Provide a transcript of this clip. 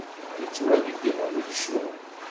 Yettwagdel unekcum.